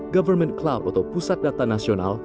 government cloud atau pusat data nasional